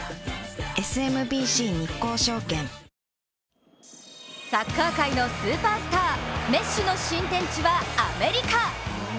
ＳＭＢＣ日興証券サッカー界のスーパースター、メッシの新天地はアメリカ。